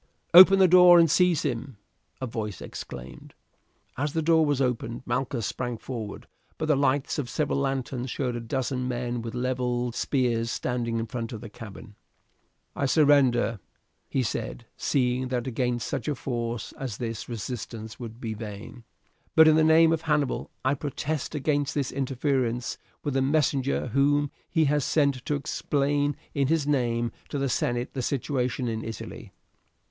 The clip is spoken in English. "Open the door and seize him," a voice exclaimed. As the door was opened Malchus sprang forward, but the lights of several lanterns showed a dozen men with levelled spears standing in front of the cabin. "I surrender," he said, seeing that against such a force as this resistance would be vain, "but in the name of Hannibal I protest against this interference with the messenger whom he has sent to explain, in his name, to the senate the situation in Italy."